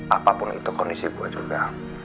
apapun itu kondisi gue juga